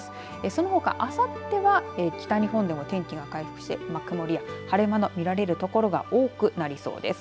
そのほか、あさっては北日本でも天気が回復して曇りや晴れ間の見られる所が多くなりそうです。